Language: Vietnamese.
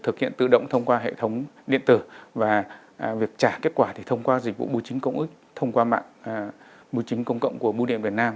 thực hiện tự động thông qua hệ thống điện tử và việc trả kết quả thì thông qua dịch vụ bùi chính công ức thông qua mạng bùi chính công cộng của bùi điện việt nam